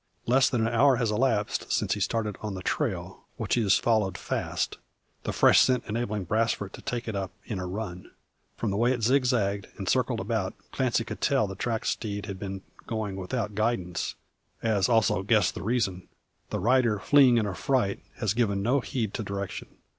Less than an hour has elapsed since his starting on the trail, which he has followed fast; the fresh scent enabling Brasfort to take it up in a run. From the way it zigzagged, and circled about, Clancy could tell the tracked steed had been going without guidance, as also guess the reason. The rider, fleeing in affright, has given no heed to direction.